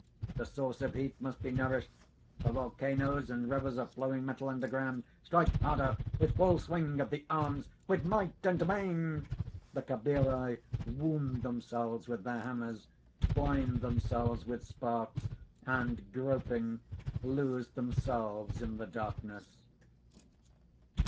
The source of heat must be nourished, the volcanoes and rivers of flowing metal underground. Strike harder! with full swing of the arms, with might and main!" (_The Cabiri wound themselves with their hammers, blind themselves with sparks, and groping, lose themselves in the darkness.